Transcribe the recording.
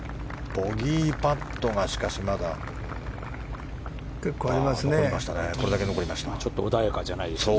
ボギーパットがまだ、これだけ残りましたね。